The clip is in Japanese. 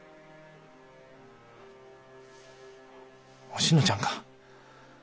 おしのちゃんか。